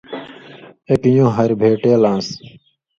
اېک یون٘ہہۡ ہاریۡ بھېٹېل آن٘س؛